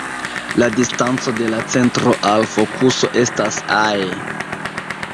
La distanco de la centro al fokuso estas "ae".